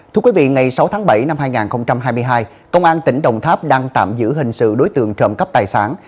thưa quý vị ngày sáu tháng bảy năm hai nghìn hai mươi hai công an tỉnh đồng tháp đang tạm giữ hình sự đối tượng trộm cắp tài sản